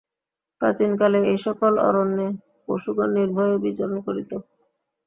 প্রাচীনকালে এইসকল অরণ্যে পশুগণ নির্ভয়ে বিচরণ করিত।